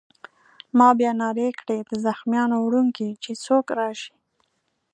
ما بیا نارې کړې: د زخمیانو وړونکی! چې څوک راشي.